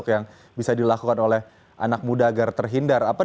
yang bisa dilakukan oleh anak muda agar terhindar